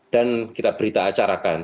dan kita berita acapan